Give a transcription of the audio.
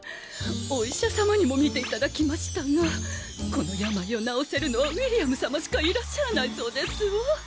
お医者様にも診ていただきましたがこの病を治せるのはウィリアム様しかいらっしゃらないそうですわ。